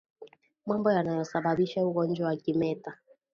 Mambo yanayosababisha ugonjwa wa kimeta